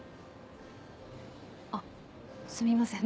あっすみません